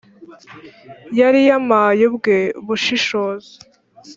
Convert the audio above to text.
yari yampaye ubwe bushishozi